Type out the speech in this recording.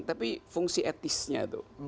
tapi fungsi etnisnya